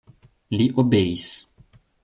Li obeis.